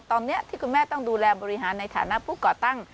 ตอนนี้ที่คุณแม่ต้องดูแลบริหารในฐานะผู้ก่อตั้ง